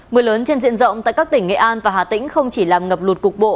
mưa lớn trên diện rộng tại các tỉnh nghệ an và hà tĩnh không chỉ làm ngập lụt cục bộ